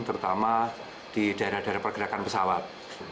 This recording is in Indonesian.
terutama di daerah daerah pergerakan pesawat